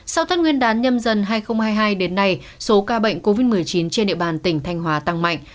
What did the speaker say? sau tết nguyên đán nhâm dần hai nghìn hai mươi hai đến nay số ca bệnh covid một mươi chín trên địa bàn tỉnh thanh hóa tăng mạnh